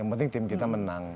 yang penting tim kita menang